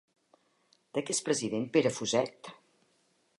De què és president Pere Fuset?